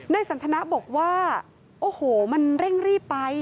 สันทนาบอกว่าโอ้โหมันเร่งรีบไป